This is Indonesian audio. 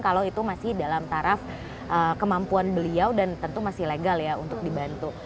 kalau itu masih dalam taraf kemampuan beliau dan tentu masih legal ya untuk dibantu